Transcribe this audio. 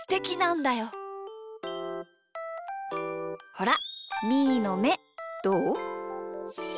ほらみーのめどう？